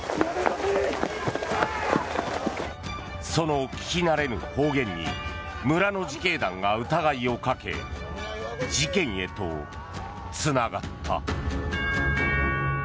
その聞き慣れぬ方言に村の自警団が疑いをかけ事件へとつながった。